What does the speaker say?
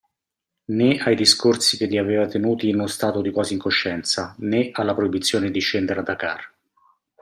Né ai discorsi che gli aveva tenuti in uno stato di quasi incoscienza, né alla proibizione di scendere a Dakar.